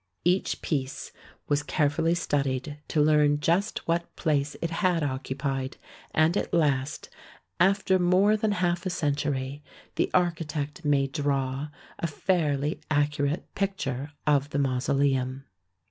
Each piece was carefully studied to learn just what place it had occupied, and at last, after more than half a century, the architect may draw a fairly accurate picture of the mausoleum.